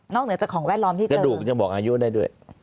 นอกเหนือจะของแวดรอมที่เกิด